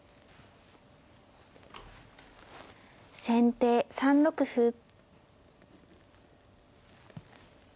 先手３六歩。